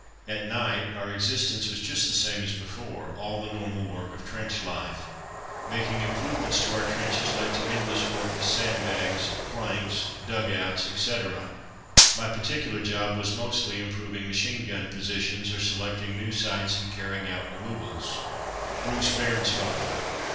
At night our existence was just the same as before; all the normal work of trench life. Making improvements to our trenches led to endless work with sandbags, planks, dug outs, etc. My particular job was mostly improving machine gun positions, or selecting new sites and carrying out removals, "BRUCE BAIRNSFATHER.